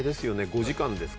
５時間ですか？